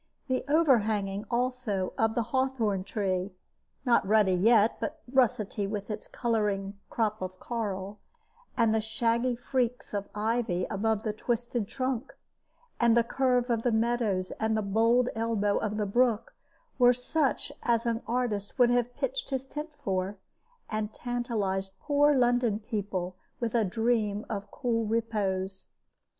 The overhanging, also, of the hawthorn tree (not ruddy yet, but russety with its coloring crop of coral), and the shaggy freaks of ivy above the twisted trunk, and the curve of the meadows and bold elbow of the brook, were such as an artist would have pitched his tent for, and tantalized poor London people with a dream of cool repose.